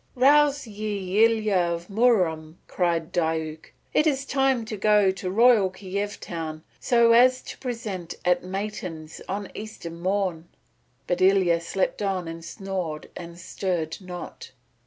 "Rouse ye, Ilya of Murom," cried Diuk; "it is time to go to royal Kiev town so as to be present at matins on Easter morn." But Ilya slept on and snored and stirred not.